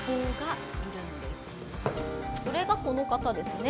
それが、この方ですね。